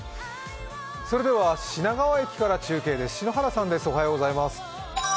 それでは品川駅から中継です、篠原さんです。